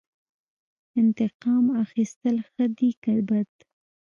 انتقام اخیستل ښه دي که بد؟